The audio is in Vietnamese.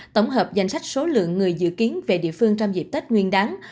tổng hợp danh sách số lượng người dự kiến về địa phương trong dịp tết nguyên đáng